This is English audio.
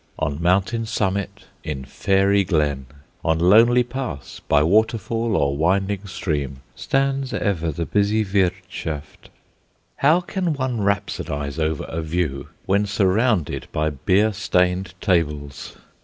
On mountain summit, in fairy glen, on lonely pass, by waterfall or winding stream, stands ever the busy Wirtschaft. How can one rhapsodise over a view when surrounded by beer stained tables?